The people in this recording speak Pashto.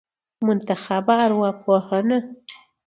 منتخبه ارواپوهنه